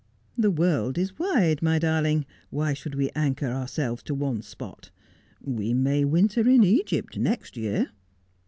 ' The world is wide, my darling. Why should we anchor ourselves to one spot 1 We may winter in Egypt next year.'